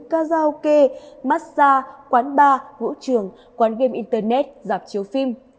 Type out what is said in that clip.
cao giao kê massage quán bar vũ trường quán game internet giảm chiếu phim